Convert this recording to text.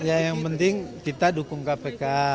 ya yang penting kita dukung kpk